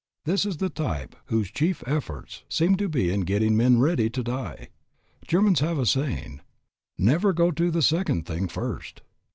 This is the type whose chief efforts seem to be in getting men ready to die. The Germans have a saying, Never go to the second thing first.